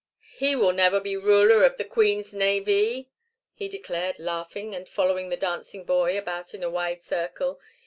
"He will never be ruler of the queen's navee," he declared, laughing and following the dancing boy about in a wide circle.